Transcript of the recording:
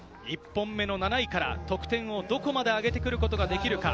１本目の７位から得点をどこまで上げてくることができるか。